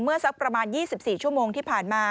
สักประมาณ๒๔ชั่วโมงที่ผ่านมา